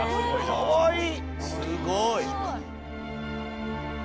かわいい。